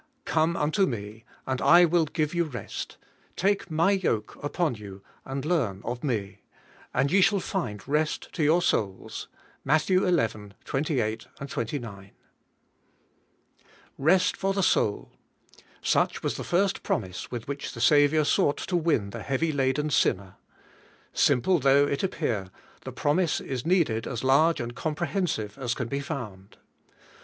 'Come unto me, and I will give you rest. Take my yoke upon you, and learn of me ; and ye shall find rest to your souls. '—Matt. xi. 28, 29. ID EST for the soul: Such was the first promise with which the Saviour sought to win the heavy laden sinner. Simple though it appear, the promise is needed as large and comprehensive as can be found.